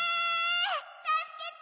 ・たすけて！